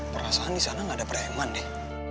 perasaan di sana nggak ada preman deh